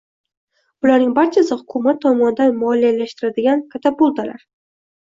Bularning barchasi hukumat tomonidan moliyalashtiriladigan katapultalar